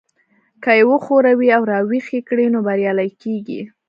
که يې وښوروئ او را ويښ يې کړئ نو بريالي کېږئ.